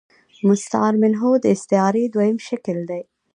مستعارمنه د ا ستعارې دوهم شکل دﺉ.